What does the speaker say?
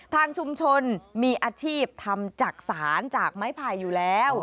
ทางชุมชนมีอาชีพทำจักษานจากไม้ไผ่อยู่แล้ว